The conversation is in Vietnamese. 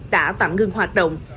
đã tạm ngưng hoạt động